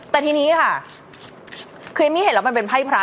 แต่ทีนี้ค่ะคือเอมมี่เห็นแล้วมันเป็นไพ่พระ